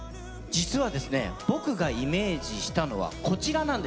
実は僕がイメージしたのはこちらなんです。